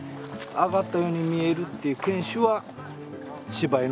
上がったように見えるっていう犬種は柴犬だけです。